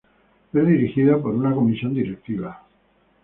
Es dirigida por una Comisión Directiva.